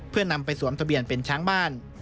เพื่อนำไปสวมทะเบียนเป็นช้างบ้าน